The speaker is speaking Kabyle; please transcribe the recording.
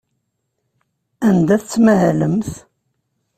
Anda tettmahalemt?